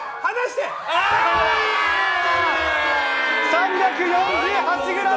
３４８ｇ！